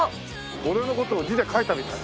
俺の事を字で書いたみたい。